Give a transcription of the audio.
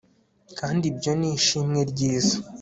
Kandi ibyo ni ishimwe ryiza